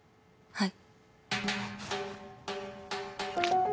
はい。